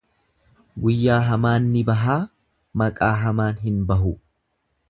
Guyyaa hamaan ni bahaa maqaa hamaan hin bahu.